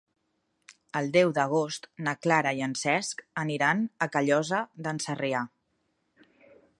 El deu d'agost na Clara i en Cesc aniran a Callosa d'en Sarrià.